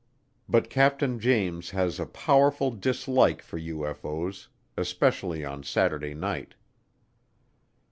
But Captain James has a powerful dislike for UFO's especially on Saturday night.